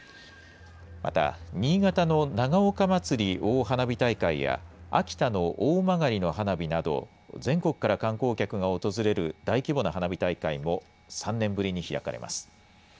また新潟の長岡まつり大花火大会や、秋田の大曲の花火など、全国から観光客が訪れる大規模な花火大会も、３年ぶりに開かれます。